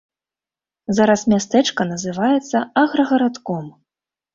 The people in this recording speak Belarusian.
Зараз мястэчка называецца аграгарадком.